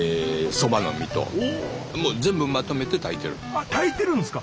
あっ炊いてるんですか？